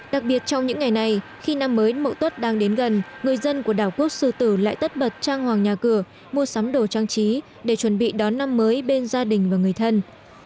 đặc biệt trong những ngày này khi năm mới mậu tuất đang đến gần người dân của đảo quốc sư tử lại tất bật trang hoàng nhà cửa mua sắm đồ trang trí để chuẩn bị đón năm mới bên gia đình và người thân